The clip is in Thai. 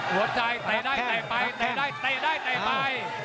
หัวใจไตได้ไตไปไตได้ไตได้ไตไป